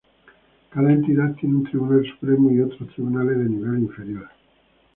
Cada entidad tiene un Tribunal Supremo y otros tribunales de nivel inferior.